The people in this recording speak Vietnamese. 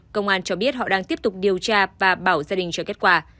công an cho biết họ đang tiếp tục điều tra và bảo gia đình chờ kết quả